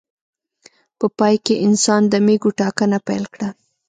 په پای کې انسان د مېږو ټاکنه پیل کړه.